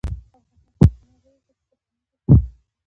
افغانستان تر هغو نه ابادیږي، ترڅو ساختماني توکي په داخل کې تولید نشي.